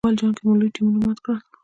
نړیوال جام کې مو لوی ټیمونه مات کړل.